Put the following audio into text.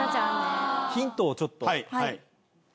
ヒントをちょっと。